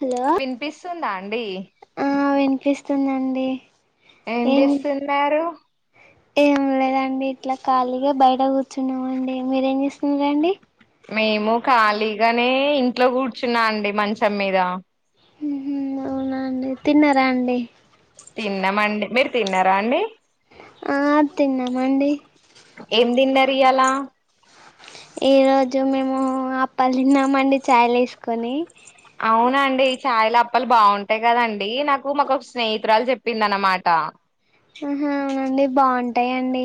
Hello వినిపిస్తుందా అండి ఆ వినిపిస్తుందండి ఏం చేస్తున్నారు ఏం లేదండి ఇట్లా ఖాళీగా బయట కూర్చున్నామండి మీరేం చేస్తున్నారండి మేము ఖాళీగానే ఇంట్లో కూర్చున్నా అండి మంచం మీద అవునా అండి తిన్నరా అండి తిన్నామండి మీరు తిన్నారా అండి ఆ తిన్నాం అండి ఏం తిన్నారు ఇయ్యలా ఈ రోజు మేము అప్పలు తిన్నాంమండి చాయిల ఎసుకొని అవునండి చాయిల అప్పలు బాగుంటాయి కదండి నాకు మాకు ఒక స్నేహితురాలు చెప్పింది అనమాట ఆ ఆహ అవునండి బాగుంటాయండి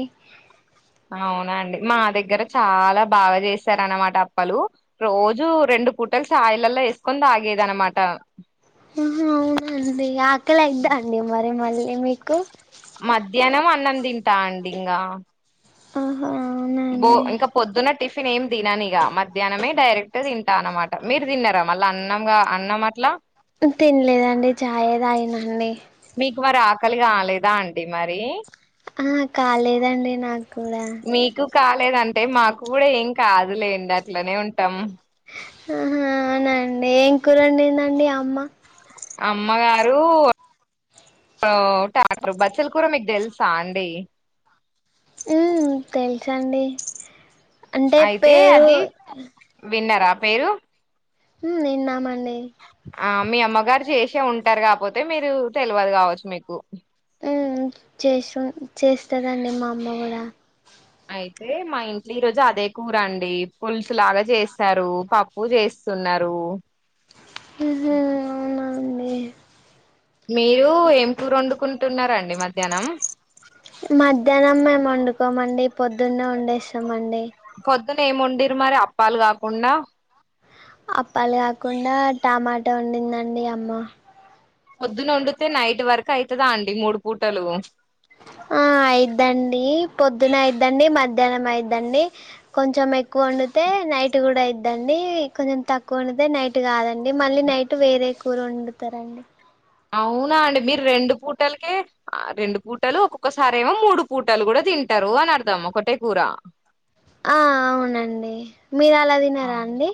అవునండి మా దగ్గర చాలా బాగా చేస్తరు అనమాట అప్పలు రోజు రెండు పూటలు సైలల్లా ఏసుకొని తాగేది అనమాట అవునండి ఆకలైద అండి మరి మళ్ళీ మీకు మధ్యాహ్నం అన్నం తింటా అండి ఇగా ఆ బో ఇంకా పొద్దున్న టిఫిన్ ఏమి తినను ఇగా మధ్యాహ్నమే డైరెక్ట్ తింటా అన్నమాట మీరు తిన్నారా మళ్ళీ అన్నంగా అన్నం అట్లా తినలేదండి ఛాయే తాగినండి నీకు మరి ఆకలిగా లేదా అండి మరి ఆ కాలేదండి నాక్ మీకు కాలేదంటే మాకు కూడా ఏం కాదులేండి అట్లనే ఉంటాం ఆహా అవునండి ఏం కూరండిందండి అమ్మ అమ్మగారు టక్టర్ బచ్చలు కూరా మీకు తెలుసా అండి ఉ తెల్సండి అయితే అది విన్నరా పేరు హ్మ్ విన్నామండి గారు చేసే ఉంటారు కాకపోతే మీరు తెల్వదు కావచ్చు మీకు ఉహు చేసు చేస్తదండి మా అమ్మ గుడా అయితే మా ఇంట్లో ఈ రోజు అదే కూరండి పులుసులాగా చేస్తారు పప్పు చేస్త స్తున్నారు ఉహు అవునా అండి మీరు ఏం కూర్ వండుకుంటున్న రండి మధ్యాహ్నం మధ్యాహ్నం మేము వండుకోమండి పొద్దున్నే వండేస్తామండి పొద్దున ఏమి వండిర్రు మరి అప్పాలు కాకుండా అప్పాలు కాకుండా టమాటా ఓడిందండి అమ్మ పొద్దున వండితే నైట్ వరకు అయితదా అండి మూడు పూటలు ఆ అయిద్దండి పొద్దున అయిద్దండి మధ్యాహ్నం అయిద్దండి కొంచెం ఎక్కువ వండితే నైట్ కూడా అయిద్దండి కొంచెం తక్కువ ఒండితే నైట్ కాదండి మళ్ళీ నైట్ వేరే కూర ఓండు తా తారే అండి అవునా అండి మీరు రెండు పూటలకే రెండు పూటలు ఒక్కొక్కసారి ఏమో మూడు పూటలు కూడా తింటారు అని అర్థం ఒకటె కూర ఆ అవునండి మీరు అలా తినారా అండి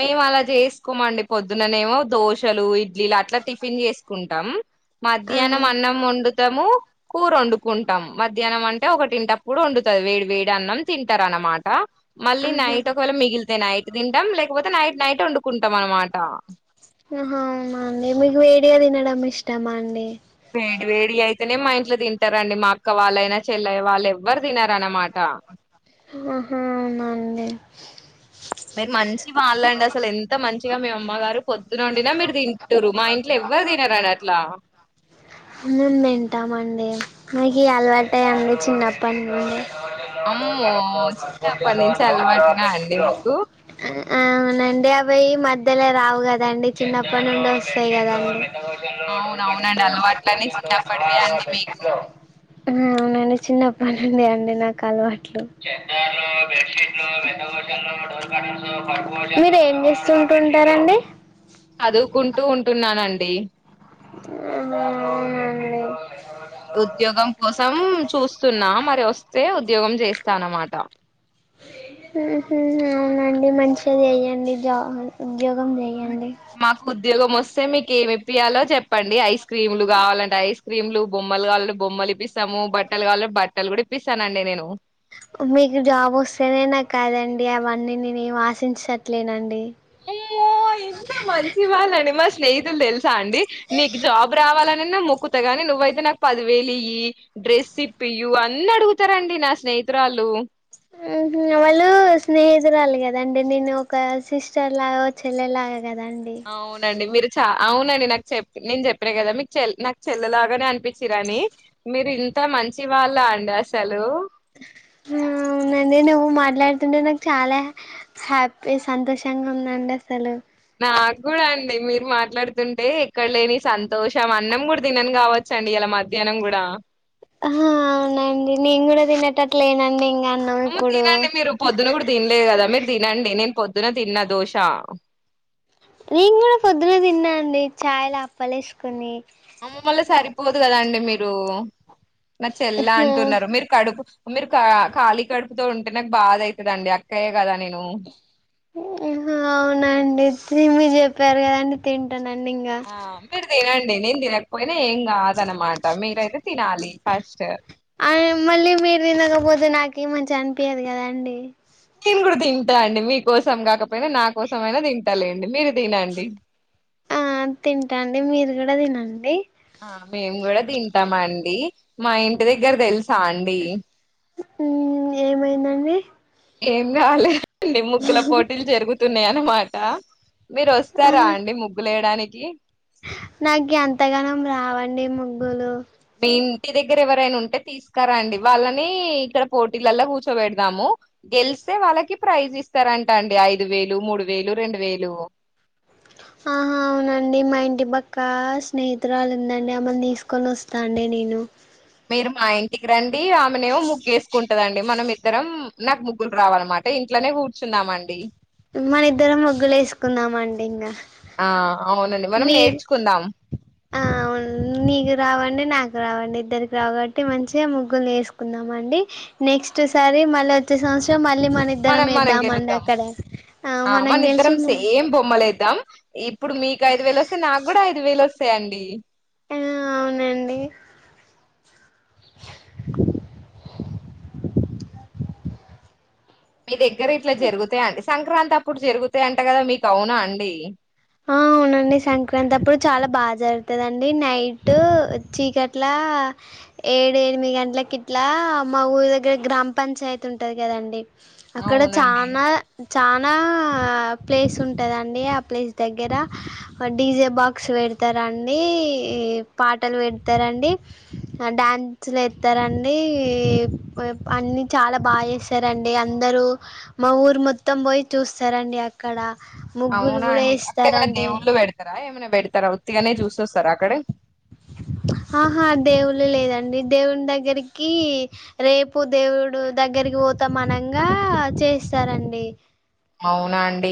మేము అలా చేసుకోమండి పొద్దుననేమో దోశలు ఇడ్లీలు అట్లా టిఫిన్ చేసుకుం టం ఆ మధ్యాహ్నం అన్నం వండుతాము కూర వండుకుంటాం మధ్యాహ్నం అంటే ఒకటింటప్పుడు వండుతది వేడి వేడి అన్నం తింటారు అనమాట మళ్ళీ ఆహా నైట్ ఒకవేళ మిగిలితే నైట్ తింటాం లేకపోతే నైట్ నైట్ వండుకుంటాం అనమాట ఓహో అవునా అండి మిగు వేడిగా తినడం ఇష్టమా అండి వేడి వేడి అయితేనే మా ఇంట్లో తింటారండి మా అక్క వాళ్ళైనా చెల్లయ్య వాళ్ళు ఎవ్వరు తినారన్నమాట ఆ హా హా అవునండి మీరు మంచ్ వాళ్ళండి అసలు ఎంత మంచిగా మీ అమ్మగారు పొద్దునోండినా మీరు తింటురు మా ఇంట్లో ఎవ్వరు తినరాన్డి అట్లా లా మేము తింటాము అండి మాకు అలవాటండి చిన్నప్పడి నుండి అమ్మో చిన్నప్పటి నుంచి అలవాటేనా అండి ఉ మీకు అవునండి అవి ఈ మధ్యలో రావు కదా అండి చిన్నప్పటి నుండి వస్తాయి కదా అండి ట్యూషన్లు డోర్ కాటన్ అవునవునండి లు అలవాట్లన్నీ చిన్నప్పటివే నవారు అండి బెడ్ మీకు షీట్లు [inaudible] అన్ని నాకు చిన్నపుడు నుండి నాకు అలవాట్లు మీరు ఏం చేస్తుంటుంటారండి చదువుకుంటూ ఉంటున్నానండి అవును అండి ఉద్యోగం కోసం చూస్తున్నా మరి వస్తే ఉద్యోగం చేస్తానన్నమాట ఉహు అవునండి మంచి గ చెయ్యడి జాబ్ మాకు ఉద్యోగ మోస్ ఒసే మీకు ఏం ఇప్పియాలో చెప్పండి ఐస్ క్రీమ్లు గావాలంటే ఐస్ క్రీమ్లు బొమ్మలు కావాలంటే బొమ్మలు ఇప్పిస్తాము బట్టలు కావాల బట్టలు కూడా ఇప్పిస్తానండి నేను మీకు జాబ్ వస్తేనేన కదండి అవన్నీ నేను ఆశించట్లేనండి అయ్యయ్యో ఇంత మంచి వాళ్ళు అండి మా స్నేహితులు తెలుసా అండి నీకు జాబ్ రావాలని మొక్కుతగాని నువ్వు అయితే నాకు పదివేలు ఇయ్యి డ్రెస్ ఇప్పియు అన్ని అడుగుతారండి నా స్నే హితురాలు మ్ హు వాళ్ళు స్నేహితురాళ్ళు కదాండి నేను ఒక సిస్టర్ లాగా చెల్లెలాగా కదండి అవునండి మీరు చ అవునండి నాకు చెప్పి నేను చెప్పినా కదా మీకు చెల్ నాకు చెల్లలాగానే అనిపించిరు అని ఇంత మంచి వాళ్ళ అండి అసలు మ్ అవునండి నువ్వు మాట్లాడుతుంటే నాకు చాలా హ్యాపీ సంతోషంగా ఉందండి అసలు నాకు కూడా అండి మీరు మాట్లాడుతుంటే ఎక్కడ లేని సంతోషం అన్నం కూడా తినన్ గావచ్చు చండ ఇయళ మధ్యాహ్నం కూడా ఆహా అవునండి నేను కూడా తినేటట్టు లేనండి ఇంగ అమ్మ తినండి మీరు పొద్దున్న కూడా తినలేదు కదా మీరు తినండి నేను పొద్దు న్న తిన్న దోష నేను కూడా పొద్దున తిన్నా అండి చాయల అప్పలేసుకొని అమ్మ మళ్ళ సరిపోదు కదండి మీరు నా చెల్ల అంటున్నారు మీరు కడుపు మీరు ఖాళీ కడుపుతో ఉంటే నాకు బాధ అయితదండి అక్కయ్యే కదా అని అవునండి మీరు చెప్పారు కదండి తిం టానండి ఇంగ ఆ మీరు తినండి నేను తినకపోయినా ఏం కాదనమాట మీరైతే తినాలి ఫస్ట్ ఆ మళ్ళీ మీరు తినకపోతే నాకి మంచిగా అనిపియదు కదా అండి నేను కూడా తింటా అండి మీకోసం కాకపోయినా నా కోసం అయినా తింటాలేండి మీరు తినండి ఆ తింటండి మీరు కూడా తినండి ఆ మేము కూడా తింటామండి మా ఇంటి దగ్గర తెలుసా అండి మ్ ఏమైదండి ఏం గాలేదండి ముగ్గుల పోటీలు జరుగుతున్నాయ అన్నమాట మీరు వస్తారా అండి ముగ్గులేయడానికి నాకు అంతగనం రావండి ముగ్గులు మీ ఇంటి దగ్గర ఎవరైనా ఉంటే తీసుకరండి వాళ్ళని ఇక్కడ పోటీలల్లా కూర్చోబెడదాము గెలిస్తే వాళ్ళకి ప్రైజ్ ఇస్తారంట అండి ఐదు వేలు మూడు వేలు రెండు వేలు ఆహా అవునండి మా ఇంటి పక్క స్నేహితురాలు ఉందండి ఆమెని తీసుకొని వస్తా అండి నే నేను మీరు మా ఇంటికి రండి ఆమెనేమో ముగ్గెస్కున్ టదండి మనం ఇద్దరం నాకు ముగ్గురు రావన్నమాట ఇంట్లోనే కూర్చున్నామండి మన ఇద్దరం ముగ్గులు వేసుకుందాంమండి ఇంగ ఆ అవునండి మనం నీ నేర్చుకుందాం ఆ నీకు రావండి నాకు రావండి ఇద్దరికి రావు కాబట్టి మంచిగా ముగ్గులు నేర్చుకుందాం అండి నెక్స్ట్ సారి మళ్ళీ వచ్చే సంవత్సరం మ మనం మనం గెలుద్దాం ఆ మనం మన గెలిచి ఇద్దరం సేమ్ బొమ్మలేద్దాం ఇప్పుడు మీకు ఐదు వేలు వస్తాయి నాకు కూడా ఐదు వేలు వస్తాయండి ఆ అవును అండి మీ దగ్గర ఇట్లా జరుగుతాయి అండి సంక్రాంతి అప్పుడు జరుగుతాయంట కదా మీకు అవునా అండి ఆ అవునండి సంక్రాంతి అప్పుడు చాలా బాగా జరుగుతుదండి నైట్ చీకట్ల ఏడు ఎనిమిది గంటలకి ఇట్లా మా ఊరు దగ్గర గ్రామ పంచాయతీ ఉంటది కదండి అక్కడ అవునండి చానా చానా ప్లేస్ ఉంటదండి ఆ ప్లేస్ దగ్గర డీజే బాక్స్ పెడతారండి పాటలు పెడతారండి. డ్యాన్స్ లెత్తరండీ అన్ని చాలా బాగా జేస్తారండి. డి అందరూ మా ఊరు మొత్తం పోయి చూస్తారండి అక్కడ ముగ్గులు గూడా యే అంటే ఏమన్నా దేవుళ్ళు పెడతారా ఏమైనా పెడతారా ఉత్తిగానే చూసొస్తారా అక్కడే ఆహా దేవుళ్ళు లేదండి దేవుని దగ్గరికి రేపు దేవుడు దగ్గర రికి పోతామనంగా చేస్తారండి అవునా అండి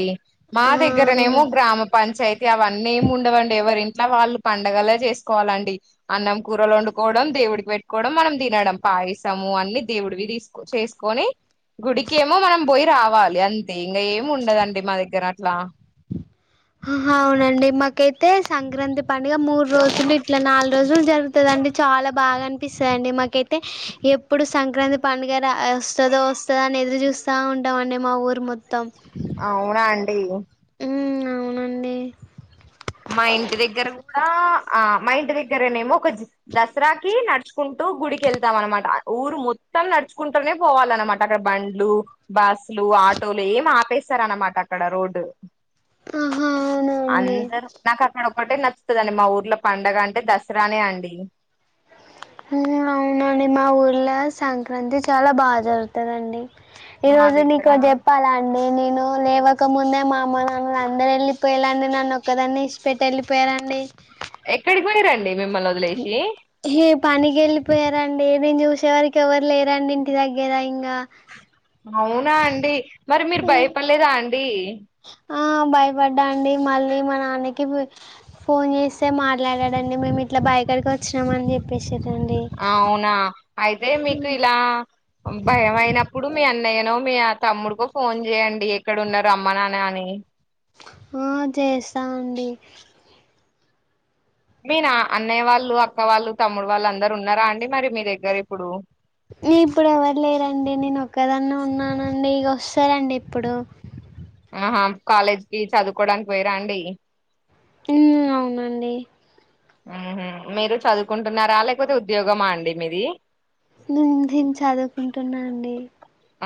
మా ఆ దగ్గరనేమో అవును గ్రామ పంచాయతీ అవన్నీ ఏమి ఉండవండి ఎవరి ఇంట్లో వాళ్ళు పండగలే చేసుకోవాలండి అన్నం కూరలు వండుకోవడం దేవుడికి పెట్టుకోవడం మనం తినడం పాయసము అన్ని దేవుడివి తీసుకో చేసుకొని గుడికేమో మనం పోయి రావాలి అంతే ఇంకా ఏమి ఉండదండి మా దగ్గర అట్లా అవునా అండి మాకైతే సంక్రాంతి పండుగ మూడు రోజులు ఇట్లా నాలుగు రోజులు జరుగుతుదండి చాలా బాగా అనిపిస్తదండి మాకైతే ఎప్పుడు సంక్రాంతి పండుగ వస్తదో వస్తదో అని ఎదురు చూ స్తా ఉంటాం అండి మా ఊరు మొత్తం అవునా అండి ఉమ్ అవునండి మా ఇంటి దగ్గర గూడా ఆ మా ఇంటి దగ్గరేనేమో ఒక జ దసరాకి నడుచుకుంటూ గుడికి వెళ్తాం అన్నమాట ఊరు మొ త్తం నడుచుకుంటనే పోవాలన్నమాట అక్కడ బండ్లు బస్సులు ఆటోలు ఏం ఆపేస్తారన్నమాట అక్కడ రోడ్ ఆహా అవునండి అందరు అదొక్కటే నచ్చుతదండి మా ఊర్లో పండుగంటే దసరానే అండి హూ అవునా అండి మా ఊర్లో సంక్రాంతి చాలా బాగా జరుగుతదండి ఈ మా రోజు దగ్గర నీకోటి చెప్పాలా అండి నేను లేవకముందే మా అమ్మ నాన్నలు అందరెళ్ళి పోయాలాండి నన్ను ఒక్కదాన్ని ఇష్ పెట్టి వెళ్లిపోయారండి ఎక్కడికి పోయిరండి మిమ్మల్ని వదిలేసి ఏ పనికి వెళ్ళిపోయారండి నేను చూసేవరికి ఎవరు లేరండి ఇంటి దగ్గర ఇంకా అవునా అండి మరి మీరు భయపడలేదా అండి ఆ భయపడ్డా అండి మళ్ళీ మా నాన్నకి ఫోన్ చేస్తే మాట్లాడాడండి మేము ఇట్లా బాయ్ కాడికి వచ్చినం అని చెప్పేసి అవునా అయితే మీకు ఇలా భయం అయినప్పుడు మీ అన్నయ్యను మీ తమ్ముడికో ఫోన్ జేయండి ఎక్కడున్నరు రమ్మని అని ఆ చేస్తా అండి మీ నా అన్నయ్య వాళ్ళు అక్క వాళ్ళు తమ్ముడు వాళ్ళు అందరు ఉన్నారా అండి మరి మీ దగ్గర ఇప్పుడు నీ ఇప్పుడు ఎవరు లేరండి నేనొక్కదాన్నే ఉన్నానండి ఇగ వస్తారండి ఇప్పుడు ఆహా కాలేజ్కి చదువుకోవడానికి పోయిరా అండి ఉమ్ అవునండి. ఊహు మీరు చదువుకుంటున్నారా లేకపోతే ఉద్యోగమా అండి మీది నేను ధిన్ చదువుకుంటున్నా అండి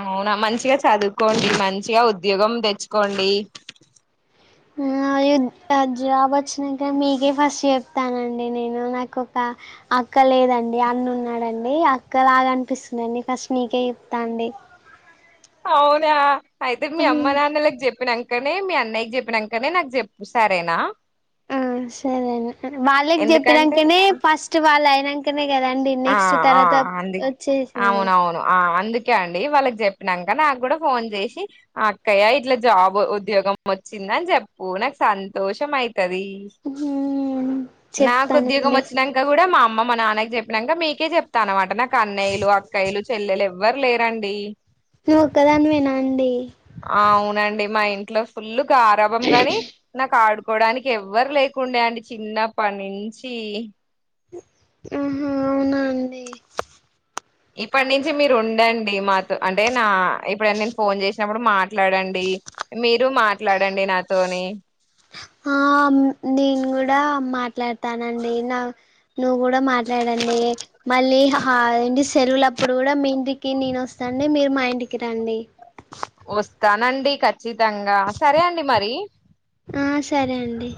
అవునా మంచిగా చదువుకోండి మంచిగా ఉద్యోగం దెచ్చుకోండి. ఆ అయ్యో జాబ్ వచ్చినాక మీకే ఫస్ట్ చెప్తానండి నేను నాకు ఒక అ క్క లేదండి అన్న ఉన్నాడండి అక్క లాగా అనిపిస్తుందండి ఫస్ట్ నీకే చెప్తా అండి అవునా అయితే మీ అమ్మ నాన్నలకి జెప్పి నంకనే మీ అన్నయ్యకి జెప్పినంకనే నాకు జెప్పు సరేనా ఆ సరే వాళ్ళకి ఎందుకంటే చెప్పినంకనే ఆ ఫస్ట్ వాళ్ళు అయినంకనే ఆ ఆ అందుకే వచ్చేసింది అవునవును ఆ అందుకే అండి వాళ్ళకి చెప్పినాంక నాకు గూడా ఫోన్ చేసి అక్కయ్య ఇట్లా జాబ్ ఉద్యోగం వచ్చిందని చె చెప్పు నాకు సంతోషం అయి తది నాకు ఉద్యోగం చెప్తానండి వచ్చినంక గూడా మా అమ్మ మా నాన్నకి చె నంక మీకే జెప్తాను అన్నమాట నాకు అన్నయ్యలు అక్కాయ్యలు చెల్లెలు ఎవ్వరు లేరండి. నువ్వు ఒక్కదానివేనా అండి అవునండి మా ఇ ఇంట్లో ఫుల్ గారాభం గాని నాకు ఆడు కోవడానికి ఎవ్వరు లేకుండే అండి చిన్నప్పటి నుంచి మ్మ్ హ్మ్ అవునా అండి ఇప్పటి నుంచి మీరు ఉండండి మాతో అంటే నా ఎప్పుడన్న నేను ఫోన్ చేసినప్పుడు మా ట్లాడండి మీరు మాట్లాడండి నాతోని ఆ నేను కూడా మాట్లాడతానండి నా నువ్వు కూడా మాట్ లాడండి మళ్ళీ హాలిడేస్ సెలవులప్పుడు కూడా మీ ఇంటికి నేను వస్తాండి మీరు మా ఇంటికి రండి వస్తానండి ఖ చ్చితంగా సరే అండి మరి ఆ సరే అండి